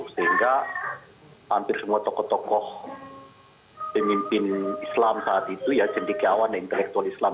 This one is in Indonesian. sehingga hampir semua tokoh tokoh pemimpin islam saat itu ya cendikiawan dan intelektual islam